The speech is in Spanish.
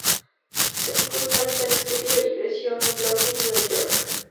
Scot Mendelson es judío, y creció en Brooklyn, Nueva York.